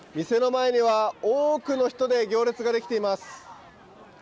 店の前には多くの人で行列ができています。